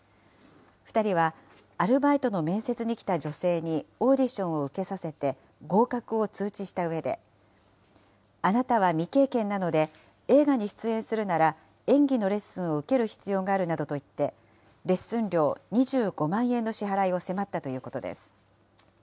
２人はアルバイトの面接に来た女性にオーディションを受けさせて、合格を通知したうえで、あなたは未経験なので映画に出演するなら、演技のレッスンを受ける必要があるなどとして、レッスン料２５万円の支払いを迫ったということです。